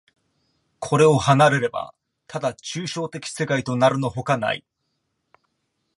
これを離れれば、ただ抽象的世界となるのほかない。